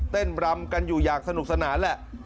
รำกันอยู่อย่างสนุกสนานแหละ